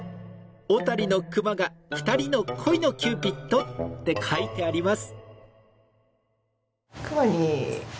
小谷の熊が二人の恋のキューピット」って書いてあります。